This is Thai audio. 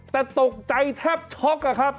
แต่ตกใจแทบช็อกอะครับ